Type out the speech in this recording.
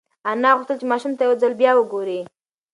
انا غوښتل چې ماشوم ته یو ځل بیا وگوري.